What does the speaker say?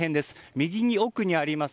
右奥にあります